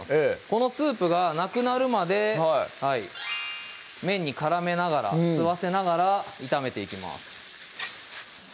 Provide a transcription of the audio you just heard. このスープがなくなるまで麺に絡めながら吸わせながら炒めていきます